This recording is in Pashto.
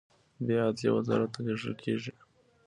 بیا عدلیې وزارت ته لیږل کیږي.